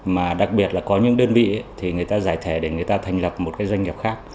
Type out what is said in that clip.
mà đặc biệt là có những đơn vị thì người ta giải thẻ để người ta thành lập một cái doanh nghiệp khác